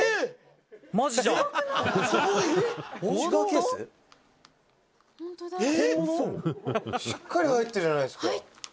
「すごい」「しっかり入ってるじゃないですか」